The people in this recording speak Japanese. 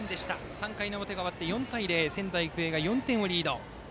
３回の表が終わって４対０仙台育英が４点リード。